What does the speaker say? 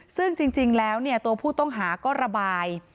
ซึ่งจริงแล้วตัวผู้ต้องหาก็ระบาย